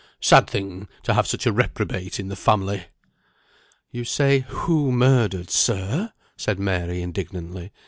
Sad thing to have such a reprobate in the family." "You say 'who murdered,' sir!" said Mary, indignantly.